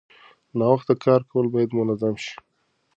ناوخته کار کول باید منظم شي.